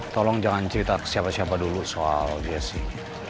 tolong jangan cerita ke siapa siapa dulu soal dia sih